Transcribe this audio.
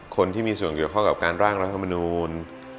คนที่มีส่วนเกี่ยวข้องกับการร่างรัฐมนูล